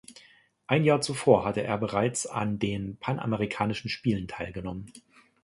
Ein Jahr zuvor hatte er bereits an den Panamerikanischen Spielen teilgenommen.